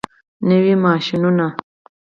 نوي ماشینونه.